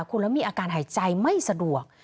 คุณแล้วมีอาการหายใจไม่สะดวก